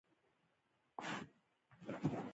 موږ باید د محاکات په اصلي مفهوم پوه شو